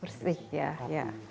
persih ya ya